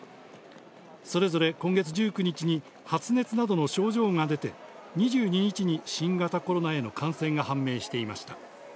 それぞれ今月１９日に発熱などの症状が出て２２日に新型コロナへの感染が判明していました。